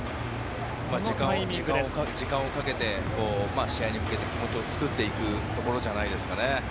時間をかけて、試合に向けて気持ちを作っていくところじゃないですかね。